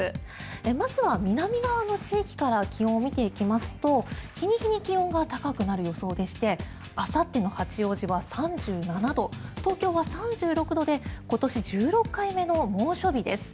まずは南側の地域から気温を見ていきますと日に日に気温が高くなる予想でしてあさっての八王子は３７度東京は３６度で今年１６回目の猛暑日です。